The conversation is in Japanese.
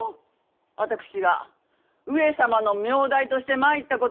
私が上様の名代として参ったことをお忘れか！？